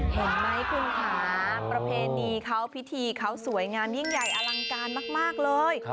เห็นไหมคุณค่ะประเพณีเขาพิธีเขาสวยงามยิ่งใหญ่อลังการมากเลย